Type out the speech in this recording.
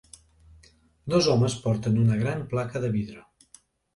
Dos homes porten una gran placa de vidre.